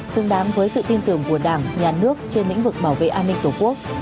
xứng đáng với sự tin tưởng của đảng nhà nước trên lĩnh vực bảo vệ an ninh tổ quốc